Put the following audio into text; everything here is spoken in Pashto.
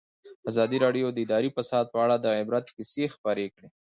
ازادي راډیو د اداري فساد په اړه د عبرت کیسې خبر کړي.